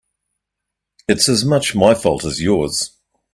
It's as much my fault as yours.